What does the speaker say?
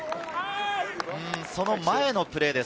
その前のプレーです。